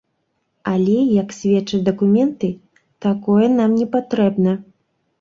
Але, як сведчаць дакументы, такое нам не патрэбна.